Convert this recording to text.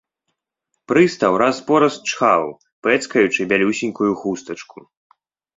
Прыстаў раз-пораз чхаў, пэцкаючы бялюсенькую хустачку.